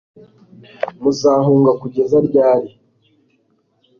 muzahunga kugeza ryari